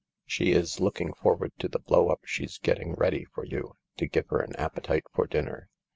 She is looking forward to the blow up she's getting ready for you to give her an appetite for dinner.